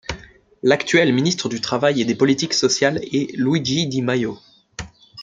L'actuel ministre du Travail et des Politiques sociales est Luigi Di Maio.